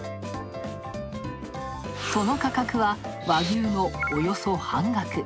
その価格は和牛のおよそ半額。